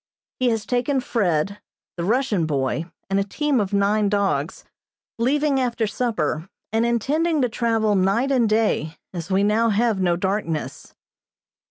He has taken Fred, the Russian boy, and a team of nine dogs, leaving after supper, and intending to travel night and day, as we now have no darkness.